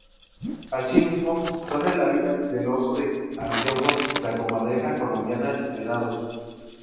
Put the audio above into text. Así mismo, son el hábitat del oso de anteojos, la comadreja colombiana y venados.